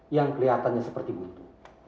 yang kelihatannya seperti begitu